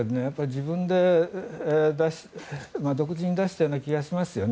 自分で独自に出したような気がしますよね。